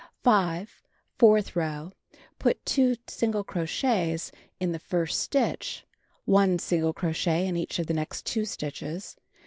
5. Fourth row: Put 2 single crochets in the first stitch, 1 single crochet in each of the next 2 stitches.